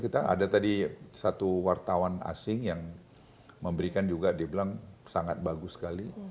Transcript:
kita ada tadi satu wartawan asing yang memberikan juga dia bilang sangat bagus sekali